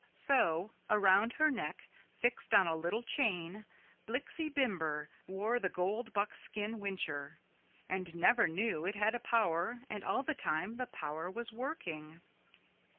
So around her neck fixed on a little chain Blixie Bimber wore the gold buckskin whincher and never knew it had a power and all the time the power was working.